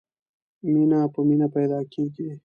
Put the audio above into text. مینه په مینه پیدا کېږي.